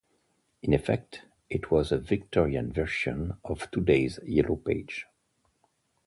In effect, it was a Victorian version of today's Yellow Pages.